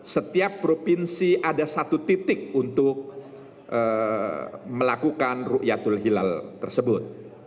setiap provinsi ada satu titik untuk melakukan ⁇ ruyatul hilal tersebut